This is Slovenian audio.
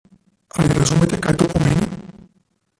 Ali razumete, kaj to pomeni?